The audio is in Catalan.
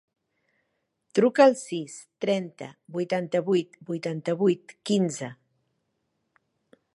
Truca al sis, trenta, vuitanta-vuit, vuitanta-vuit, quinze.